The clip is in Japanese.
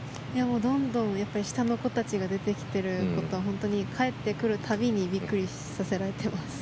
どんどん下の子たちが出てきてるのは本当に帰ってくる度にびっくりさせられています。